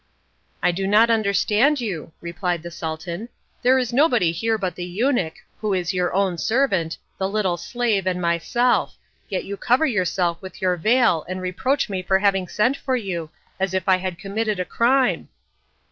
"I do not understand you," replied the Sultan. "There is nobody here but the eunuch, who is your own servant, the little slave, and myself, yet you cover yourself with your veil and reproach me for having sent for you, as if I had committed a crime."